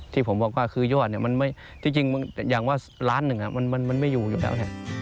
ที่ผมบอกว่าคือยอดที่จริงอย่างว่าล้านหนึ่งมันไม่อยู่อยู่แล้วเนี่ย